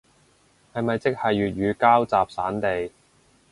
係咪即係粵語膠集散地